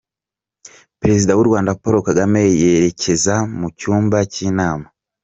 Perezida w’u Rwanda Paul Kagame yerekeza mu cyumba cy’inama